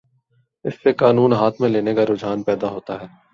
اس سے قانون ہاتھ میں لینے کا رجحان پیدا ہوتا ہے۔